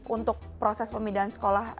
untuk proses pemindahan sekolah